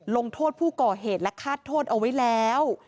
ลงโทษผู้ก่อเหตุและฆาตโทษเอาไว้แล้ว